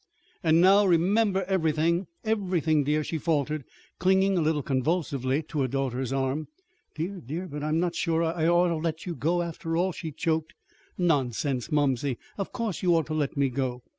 "And now remember everything everything, dear," she faltered, clinging a little convulsively to her daughter's arm. "Dear, dear, but I'm not sure I ought to let you go after all," she choked. "Nonsense, mumsey! Of course you ought to let me go!"